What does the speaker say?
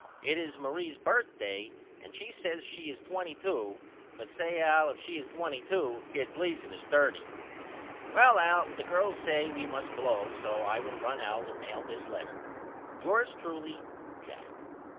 It is Marie's berthday and she says she is 22 but say Al if she is 22 Kid Gleason is 30. Well Al the girls says we must blow so I will run out and mail this letter. Yours truly, JACK.